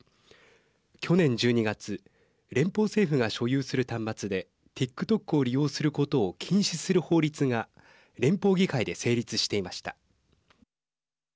去年１２月連邦政府が所有する端末でＴｉｋＴｏｋを利用することを禁止する法律が連邦議会で成立していました。